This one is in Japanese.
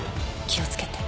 気をつけて。